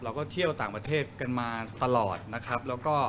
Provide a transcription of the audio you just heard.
เราก็เที่ยวต่างประเทศกันมาตลอดนะครับแล้วก็